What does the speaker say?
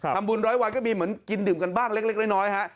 ทำบุญร้อยวันก็มีเหมือนกินดื่มกันบ้างเล็กน้อยฮะ